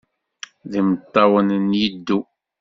D imeṭṭawen n yiddew.